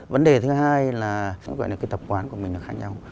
vấn đề thứ hai là nó gọi là cái tập quán của mình là khác nhau